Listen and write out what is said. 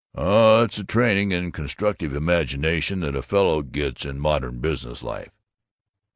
"Oh, it's the training in constructive imagination that a fellow gets in modern business life."